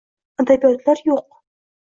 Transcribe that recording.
adabiyotlar yo‘q